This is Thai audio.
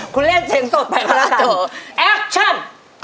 คุณเล่นเสียงสดไปก็แล้วกันแอคชั่น